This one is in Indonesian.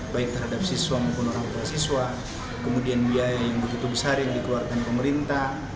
baik terhadap siswa maupun orang tua siswa kemudian biaya yang begitu besar yang dikeluarkan pemerintah